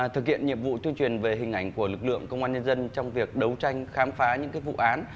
thực hiện nhiệm vụ tuyên truyền về hình ảnh của lực lượng công an nhân dân trong việc đấu tranh khám phá những vụ án